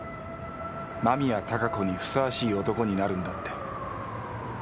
間宮貴子にふさわしい男になるんだって。